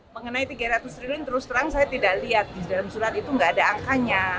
mengenai tiga ratus triliun terus terang saya tidak lihat di dalam surat itu nggak ada angkanya